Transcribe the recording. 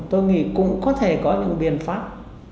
tôi nghĩ cũng có thể có những biện pháp